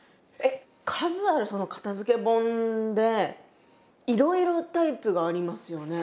数あるその片づけ本でいろいろタイプがありますよね。